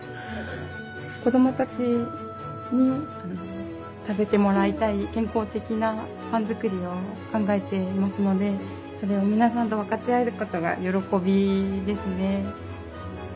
子供たちに食べてもらいたい健康的なパン作りを考えていますのでそれを皆さんと分かち合えることが喜びですね。